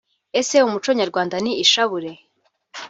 Ese umuco nyarwanda ni ishabure